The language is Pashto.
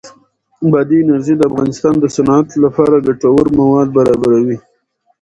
بادي انرژي د افغانستان د صنعت لپاره ګټور مواد برابروي.